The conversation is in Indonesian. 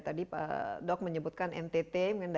tadi dok menyebutkan ntt dan daerah timur dimana mana saja